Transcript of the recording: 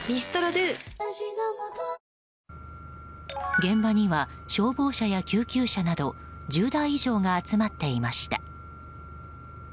現場には消防車や救急車など１０台以上が集まっていました。